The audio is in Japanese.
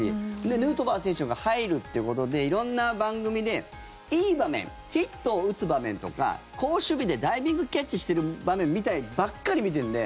ヌートバー選手が入るということで色んな番組で、いい場面ヒット打つ場面とか好守備でダイビングキャッチしてる場面みたいなのばっかり見てるんで。